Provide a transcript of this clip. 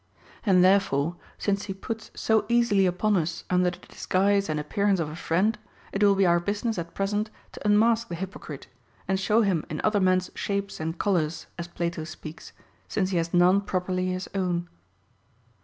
And therefore, since he puts so easily upon us under the disguise and appear ance of a friend, it will be our business at present to un mask the hypocrite, and show him in other men's shapes and colors, as Plato speaks, since he has none properly his own.